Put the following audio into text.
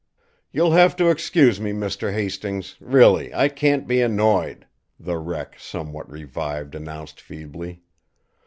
"You'll have to excuse me, Mr. Hastings, really, I can't be annoyed!" the wreck, somewhat revived, announced feebly.